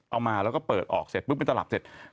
เอามาแล้วก็เปิดออกเสร็จปุ๊บเป็นตลับเสร็จ